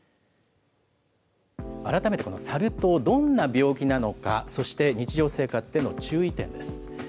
改めてこのサル痘、どんな病気なのか、そして日常生活での注意点です。